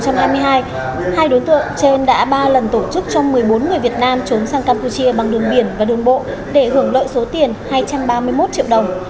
năm hai nghìn hai mươi một đến tháng ba năm hai nghìn hai mươi hai hai đối tượng trên đã ba lần tổ chức cho một mươi bốn người việt nam trốn sang campuchia bằng đường biển và đường bộ để hưởng lợi số tiền hai trăm ba mươi một triệu đồng